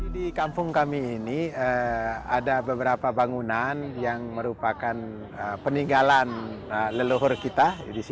di kampung kami ini ada beberapa bangunan yang merupakan peninggalan leluhur kita